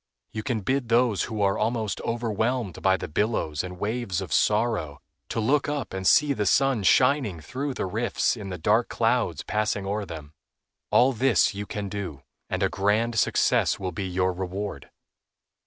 You can bid those who are almost overwhelmed by the billows and waves of sorrow, to look up and see the sun shining through the rifts in the dark clouds passing o'er them. All this can you do, and a grand success will be your reward.